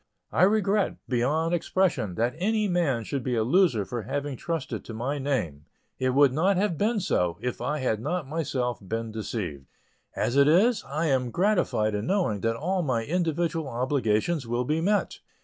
I regret, beyond expression, that any man should be a loser for having trusted to my name; it would not have been so, if I had not myself been deceived. As it is, I am gratified in knowing that all my individual obligations will be met.